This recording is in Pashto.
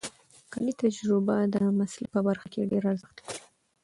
کاري تجربه د مسلک په برخه کې ډېر ارزښت لري.